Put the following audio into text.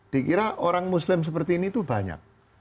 dikira orang muslim seperti ini tuh banyak